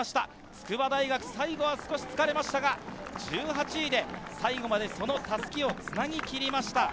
筑波大学、最後は少し疲れましたが、１８位で最後までその襷を繋ぎ切りました。